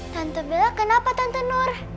tante bela kenapa tante nur